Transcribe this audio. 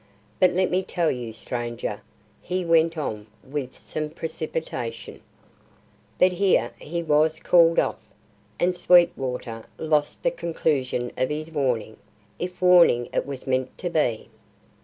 But let me tell you, stranger," he went on with some precipitation But here he was called off, and Sweetwater lost the conclusion of his warning, if warning it was meant to be.